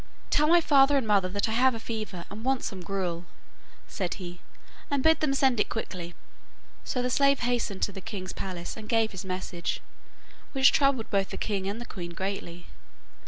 'Tell my father and mother that I have a fever, and want some gruel,' said he, 'and bid them send it quickly.' So the slave hastened to the king's palace and gave his message, which troubled both the king and the queen greatly.